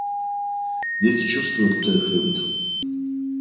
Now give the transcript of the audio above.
Дети чувствуют, кто их любит.